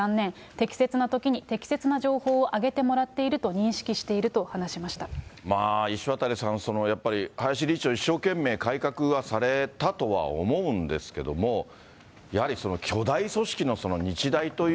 適切なときに適切な情報を上げてもらっていると認識していると話石渡さん、林理事長、一生懸命改革はされたとは思うんですけども、やはり巨大組織の日大とい